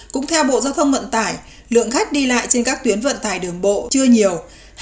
cũng theo bộ giao thông vận tải lượng khách đi lại trên các tuyến vận tải đường bộ chưa nhiều